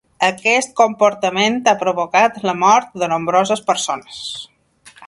Aquest comportament ha provocat la mort de nombroses persones.